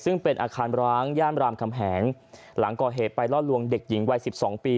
ซึ่งเป็นอาคารร้างย่านรามคำแหงหลังก่อเหตุไปล่อลวงเด็กหญิงวัยสิบสองปี